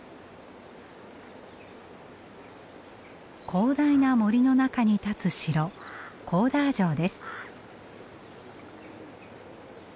広大な森の中に立つ城コーダー城です。